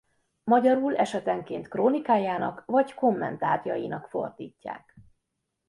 Magyarul esetenként krónikájának vagy kommentárjainak fordítják.